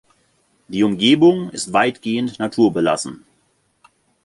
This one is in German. Die Umgebung ist weitgehend naturbelassen.